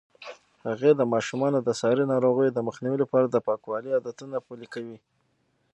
هغې د ماشومانو د ساري ناروغیو د مخنیوي لپاره د پاکوالي عادتونه پلي کوي.